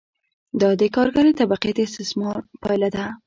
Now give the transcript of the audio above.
دا د کارګرې طبقې د استثمار پایله ده